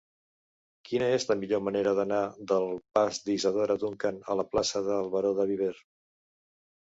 Quina és la millor manera d'anar del pas d'Isadora Duncan a la plaça del Baró de Viver?